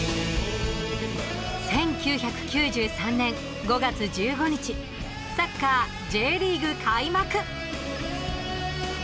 １９９３年５月１５日サッカーＪリーグ開幕。